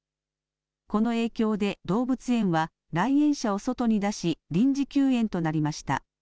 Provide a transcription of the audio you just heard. この影響で、動物園は、来園者を外に出し、臨時休園となりました。